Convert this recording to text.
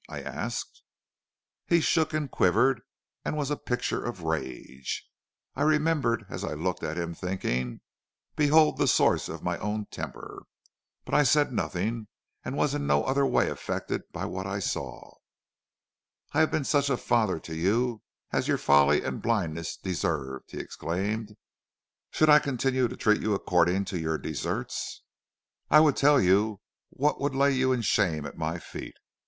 I asked. "He shook and quivered and was a picture of rage. I remembered as I looked at him, thinking, 'Behold the source of my own temper,' but I said nothing, and was in no other way affected by what I saw. "'I have been such a father to you as your folly and blindness deserved,' he exclaimed. 'Should I continue to treat you according to your deserts, I would tell you what would lay you in shame at my feet.